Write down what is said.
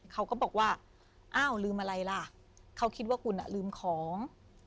เขาก็บอกว่าอ้าวลืมอะไรล่ะเขาคิดว่าคุณลืมของ